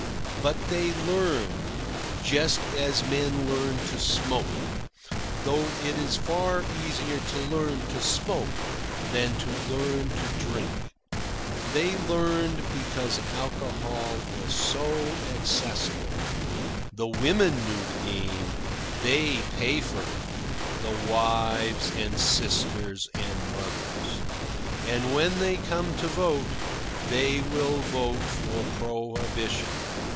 But they learned, just as men learn to smoke; though it is far easier to learn to smoke than to learn to drink. They learned because alcohol was so accessible. The women know the game. They pay for it the wives and sisters and mothers. And when they come to vote, they will vote for prohibition.